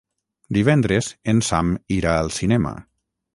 Divendres en Sam irà al cinema.